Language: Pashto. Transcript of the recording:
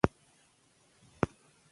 ژبې د افغانانو د ژوند طرز اغېزمنوي.